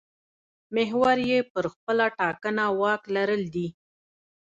محور یې پر خپله ټاکنه واک لرل دي.